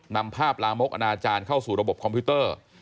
นำภาพลามกอนาจารย์เข้าสู่ระบบคอมพิวเตอร์